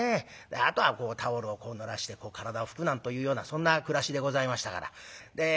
あとはタオルをこうぬらして体を拭くなんというようなそんな暮らしでございましたから。